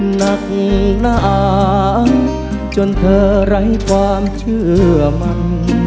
หนักนานจนเธอไร้ความเชื่อมัน